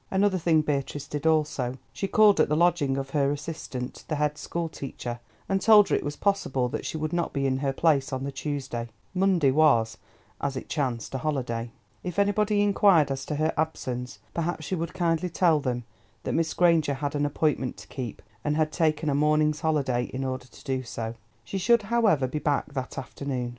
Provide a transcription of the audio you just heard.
Another thing Beatrice did also: she called at the lodging of her assistant, the head school teacher, and told her it was possible that she would not be in her place on the Tuesday (Monday was, as it chanced, a holiday). If anybody inquired as to her absence, perhaps she would kindly tell them that Miss Granger had an appointment to keep, and had taken a morning's holiday in order to do so. She should, however, be back that afternoon.